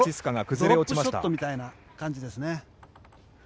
ドロップショットみたいな感じですね。